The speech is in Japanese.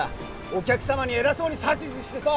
お客様に偉そうに指図してさ。